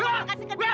kamu kasih ke diri ya